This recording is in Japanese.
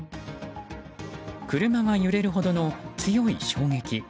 車が揺れるほどの強い衝撃。